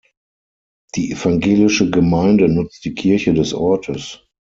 Die evangelische Gemeinde nutzt die Kirche des Ortes.